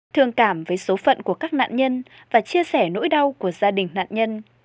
thương cảm với số phận của các nạn nhân và chia sẻ nỗi đau của gia đình nạn nhân